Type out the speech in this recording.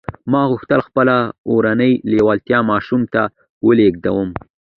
ما غوښتل خپله اورنۍ لېوالتیا ماشوم ته ولېږدوم